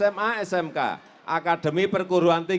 memakai baju putih